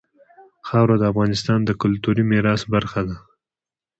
خاوره د افغانستان د کلتوري میراث برخه ده.